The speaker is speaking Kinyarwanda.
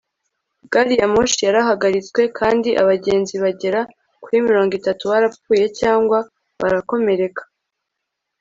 Gari ya moshi yarahagaritswe kandi abagenzi bagera kuri mirongo itatu barapfuye cyangwa barakomereka